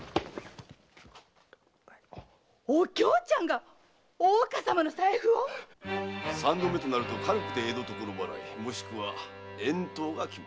お京ちゃんが大岡様の財布を⁉三度目となると軽くて江戸所払いもしくは遠島が決まりだ。